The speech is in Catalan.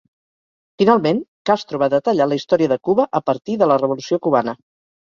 Finalment, Castro va detallar la història de Cuba a partir de la revolució cubana.